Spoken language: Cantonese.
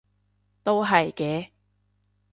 都係嘅